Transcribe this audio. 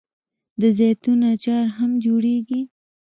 د زیتون اچار هم جوړیږي.